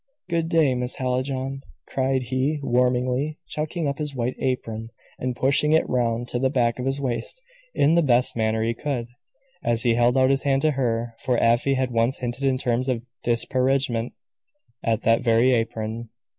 "Good day, Miss Hallijohn," cried he, warmly, tucking up his white apron and pushing it round to the back of his waist, in the best manner he could, as he held out his hand to her. For Afy had once hinted in terms of disparagement at that very apron.